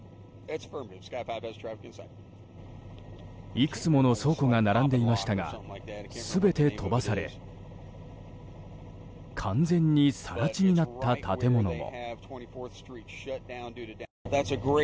いくつもの倉庫が並んでいましたが全て飛ばされ完全に更地になった建物も。